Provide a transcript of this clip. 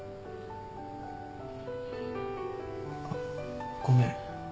あっごめん。